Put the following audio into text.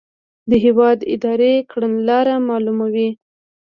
د هیواد اداري کړنلاره معلوموي.